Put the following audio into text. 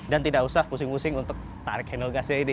dan tidak usah pusing pusing untuk tarik handle gasnya ini